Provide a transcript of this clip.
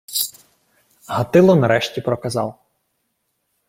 Гатило нарешті проказав: